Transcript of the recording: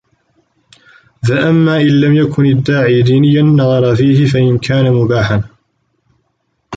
فَأَمَّا إنْ لَمْ يَكُنْ الدَّاعِي دِينِيًّا نَظَرَ فِيهِ فَإِنْ كَانَ مُبَاحًا